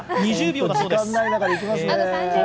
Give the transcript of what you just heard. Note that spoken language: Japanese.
２０秒だそうです。